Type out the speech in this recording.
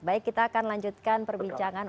baik kita akan lanjutkan perbincangan